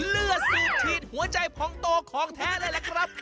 เลือดสูบทีนหัวใจพองโตค่องแท้ได้ล่ะครับ